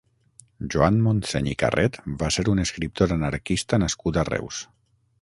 Joan Montseny i Carret va ser un escriptor anarquista nascut a Reus.